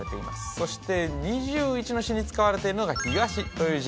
そして２１の市に使われているのが「東」という字